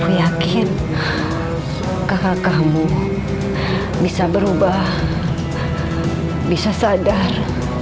ibu yakin kakak kamu bisa berubah bisa sadar